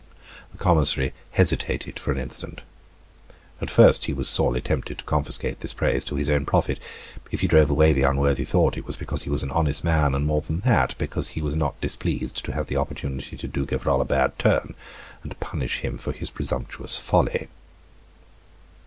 The commissary hesitated for an instant. At first he was sorely tempted to confiscate this praise to his own profit. If he drove away the unworthy thought, it was because he was an honest man, and more than that, because he was not displeased to have the opportunity to do Gevrol a bad turn and punish him for his presumptuous folly.